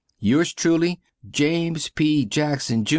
Yours truly, James P. Jackson Jr.